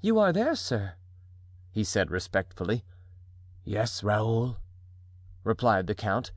"You are there, sir?" he said, respectfully. "Yes, Raoul," replied the count.